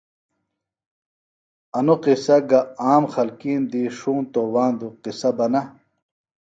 انوۡ قصہ گہ عام خلکیم دی ݜونتوۡ واندوۡ قِصہ بہ نہ